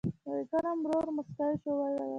ویکرم ورو موسک شو او وویل: